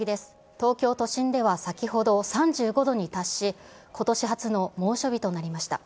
東京都心では先ほど３５度に達し、ことし初の猛暑日となりました。